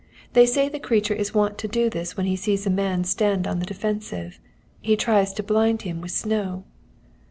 They say the creature is wont to do this when he sees a man stand on the defensive; he tries to blind him with snow.